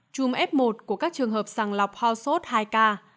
chùm f một của các trường hợp sàng lọc hòa sốt hai ca